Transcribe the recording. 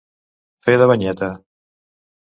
Fer de banyeta.